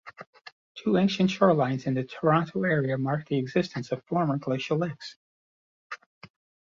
Two ancient shorelines in the Toronto area mark the existence of former glacial lakes.